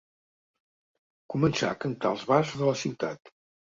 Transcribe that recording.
Començà a cantar als bars de la ciutat.